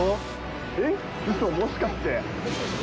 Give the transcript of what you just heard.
えっ、うそ、もしかして？